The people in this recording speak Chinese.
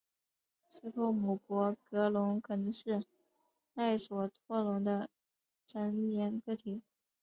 斯托姆博格龙可能是赖索托龙的成年个体。